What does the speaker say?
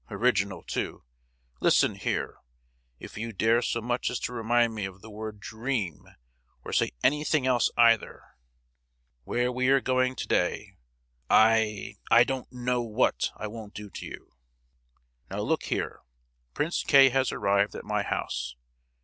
Original, too! Listen here: if you dare so much as remind me of the word 'dream,' or say anything else, either, where we are going to day, I—I don't know what I won't do to you! Now, look here: Prince K. has arrived at my house.